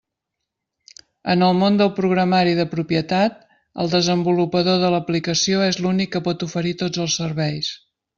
En el món del programari de propietat, el desenvolupador de l'aplicació és l'únic que pot oferir tots els serveis.